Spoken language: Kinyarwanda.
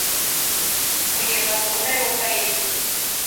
kugeza ku mperuka y’isi.